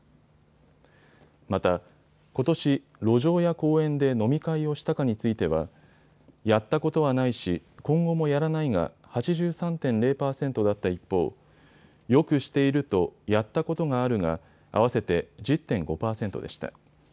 またことし路上や公園で飲み会をしたかについてはやったことはないし今後もやらないが８３．０％だった一方、よくしていると、やったことがあるが合わせて１０．５％でした。